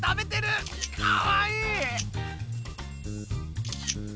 かわいい！